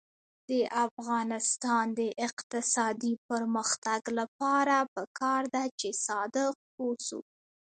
د افغانستان د اقتصادي پرمختګ لپاره پکار ده چې صادق اوسو.